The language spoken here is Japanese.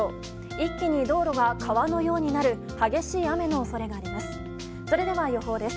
一気に道路が川のようになる激しい雨の恐れがあります。